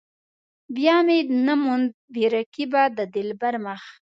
بیا مې نه موند بې رقيبه د دلبر مخ.